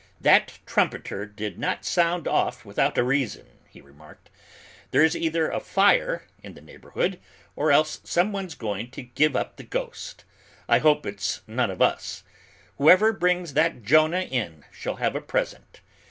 "That trumpeter did not sound off without a reason," he remarked; "there's either a fire in the neighborhood, or else someone's going to give up the ghost. I hope it's none of us! Whoever brings that Jonah in shall have a present."